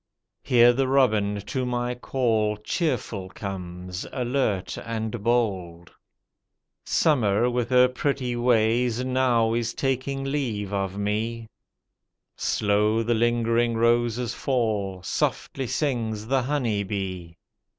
Here the robin to my call cheerful comes, alert and bold. Summer with her pretty ways now is taking leave of me. Slow the lingering roses fall, softly sings the honey bee.